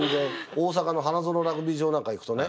大阪の花園ラグビー場なんか行くとね